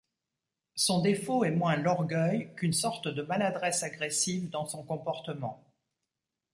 Son défaut est moins l'orgueil qu'une sorte de maladresse agressive dans son comportement.